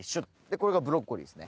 これがブロッコリーですね。